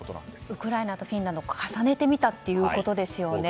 ウクライナとフィンランド重ねて見たということですね。